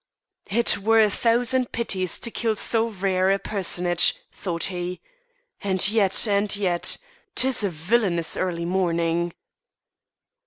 "It were a thousand pities to kill so rare a personage," thought he, "and yet and yet 'tis a villainous early morning."